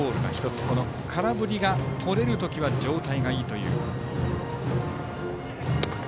１つ空振りがとれる時は状態がいいという。